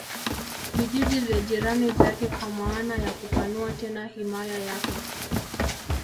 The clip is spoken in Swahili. vijiji vya jirani zake kwa maana ya kupanua tena himaya yake